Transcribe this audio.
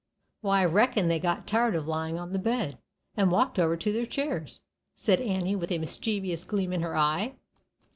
Why, I reckon they got tired of lying on the bed, and walked over to their chairs," said Annie, with a mischievous gleam in her eye.